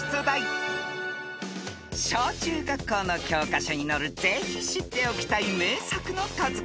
［小中学校の教科書に載るぜひ知っておきたい名作の数々］